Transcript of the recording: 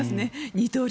二刀流